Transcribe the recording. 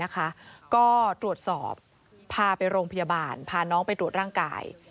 ก็ตรวจสอบพาไปโรงพยาบาลพาน้องไปตรวจร่างกาย